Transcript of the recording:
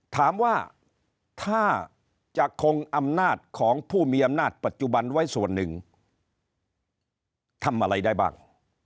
ถามว่าถ้าจะคงอำนาจของผู้มีอำนาจปัจจุบันไว้ส่วนหนึ่งทำอะไรได้บ้าง